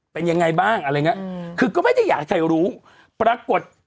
เป็นยังไงบ้างอะไรอย่างเงี้ยคือก็ไม่ได้อยากใครรู้ปรากฏ